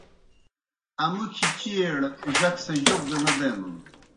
امُکھیْ چیئیڑ جک سہ جوک گہ نہ دینَن۔